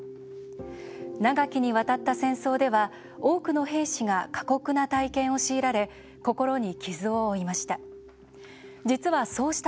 長きにわたった戦争では多くの兵士が過酷な体験を強いられ心に傷を負いました。